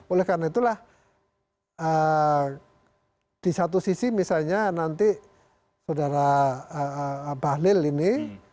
oleh karena itulah di satu sisi misalnya nanti saudara bahlil ini